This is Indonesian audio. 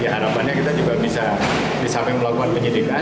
harapannya kita juga bisa disamping melakukan penyidikan